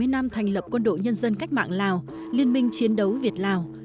bảy mươi năm thành lập quân đội nhân dân cách mạng lào liên minh chiến đấu việt lào